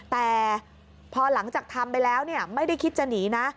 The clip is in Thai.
แต่พอหลังจากทำไปแล้วไม่ได้คิดจะหนีนะ